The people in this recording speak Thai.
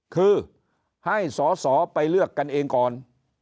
คือให้สอสอไปเลือกกันเองก่อน